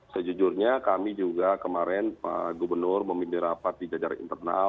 sejujurnya kami juga kemarin pak gubernur memimpin rapat di jajaran internal